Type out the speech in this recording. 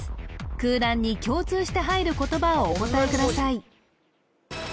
空欄に共通して入る言葉をお答えください